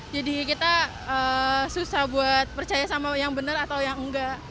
jadi kita susah buat percaya sama yang benar atau yang enggak